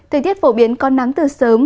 thời tiết phổ biến có nắng từ sớm